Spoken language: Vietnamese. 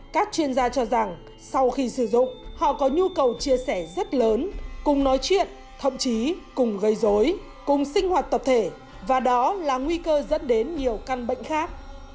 các chuyên gia cho rằng sau khi sử dụng họ có nhu cầu chia sẻ rất lớn cùng nói chuyện thậm chí cùng gây dối cùng sinh hoạt tập thể và đó là nguy cơ dẫn đến nhiều căn bệnh khác